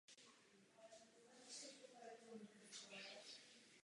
Herectví vyučovala na Vyšší odborné škole herecké v Praze.